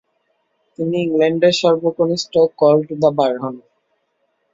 তিনি ইংল্যান্ডের সর্বকনিষ্ঠ কল টু দ্য বার হন।